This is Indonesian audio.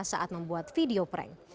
saat membuat video prank